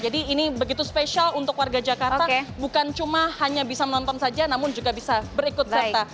jadi ini begitu spesial untuk warga jakarta bukan cuma hanya bisa menonton saja namun juga bisa berikut serta